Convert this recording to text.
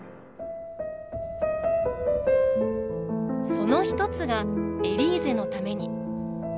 その一つが「エリーゼのために」。